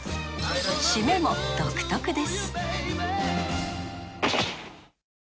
締めも独特です